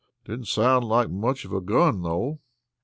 Didn't sound like much of a gun, though."